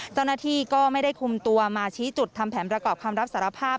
เจ้าหน้าที่ก็ไม่ได้คุมตัวมาชี้จุดทำแผนประกอบคำรับสารภาพ